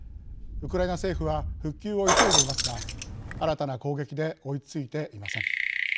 ウクライナ政府は復旧を急いでいますが新たな攻撃で追いついていません。